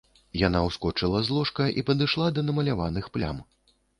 Яна ўскочыла з ложка і падышла да намаляваных плям.